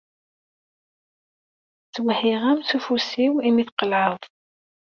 Ttwehhiɣ-am s ufus-iw imi tqelɛeḍ.